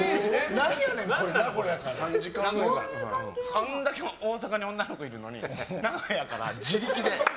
あんだけ大阪に女の子いるのに名古屋から自力で。